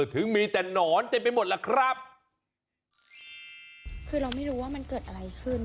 ถึงมีแต่หนอนเต็มไปหมดล่ะครับคือเราไม่รู้ว่ามันเกิดอะไรขึ้น